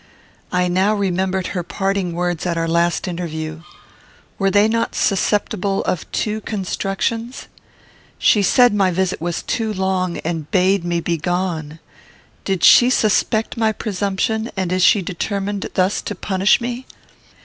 I now remembered her parting words at our last interview. Were they not susceptible of two constructions? She said my visit was too long, and bade me begone. Did she suspect my presumption, and is she determined thus to punish me?